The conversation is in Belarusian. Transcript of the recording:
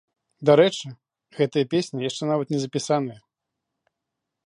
Дарэчы, гэтая песня яшчэ нават не запісаная!